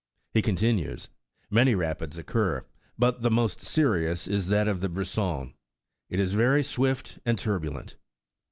He continues: "Many rapids occur, but the most serious is that of Brisson. It is very swift and turbulent.